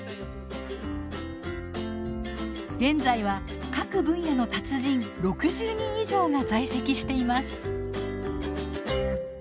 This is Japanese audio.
現在は各分野の達人６０人以上が在籍しています。